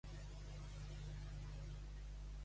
Els de Caregue, escudellers.